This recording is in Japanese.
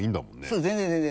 そうです全然全然。